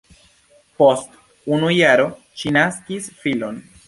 Post unu jaro ŝi naskis filon.